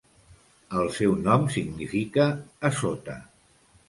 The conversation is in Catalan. El seu nom significa "a sota".